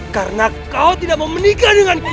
karena kau tidak mau menikah denganku